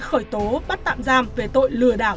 khởi tố bắt tạm giam về tội lừa đảo